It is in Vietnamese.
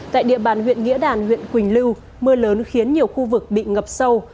tại địa bàn huyện nghĩa đàn huyện quỳnh lưu mưa lớn khiến nhiều khu vực bị ngập sâu